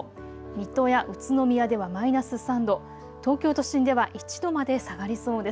水戸や宇都宮ではマイナス３度、東京都心では１度まで下がりそうです。